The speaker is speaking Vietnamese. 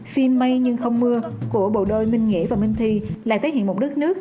phim may nhưng không mưa của bầu đôi minh nghĩa và minh thi lại thể hiện một đất nước